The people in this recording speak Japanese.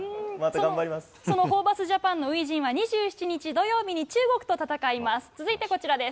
そのホーバスジャパンの初陣は２７日土曜日に中国と戦います。